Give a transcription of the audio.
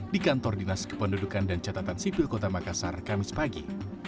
di kantor dinas kependudukan dan catatan sipil kota makassar kamis pagi